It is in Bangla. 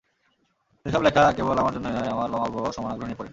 সেসব লেখা কেবল আমার জন্যই নয়, আমার মা-বাবাও সমান আগ্রহ নিয়ে পড়েন।